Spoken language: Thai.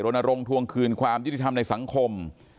ลงทวงคืนความยุติธรรมในสังคม